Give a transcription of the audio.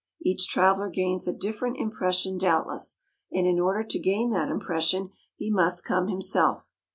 Each traveller gains a different impression doubtless, and in order to gain that impression he must come himself.